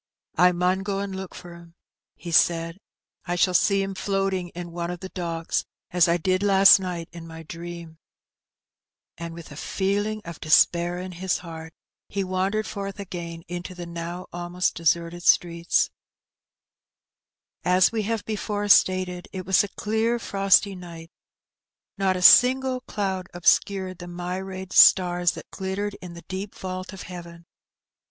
'' I mun go an' look for 'em," he said. '' I shall see 'em floating in one o' the docks, as I did last night in my "Oh, Death! What Dost Thou Mean?" 49 dream," And witt a feeling of despair in his heart he vandered forth again into the now almost deserted streets, As we have before stated, it was a clear frosty night; not a single cloud obscured the myriad stars that glittered in the deep vault of heaven.